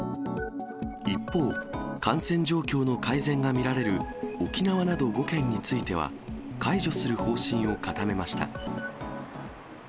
一方、感染状況の改善が見られる沖縄など５県については、解除する方針を固めました。